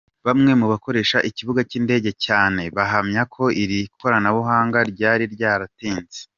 Bamwe mu bakoresha ikibuga cy’indege cyane bahamya ko iri koranabuhanga ryari ryaratinze.